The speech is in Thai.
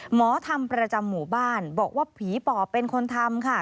หมอธรรมประจำหมู่บ้านบอกว่าผีปอบเป็นคนทำค่ะ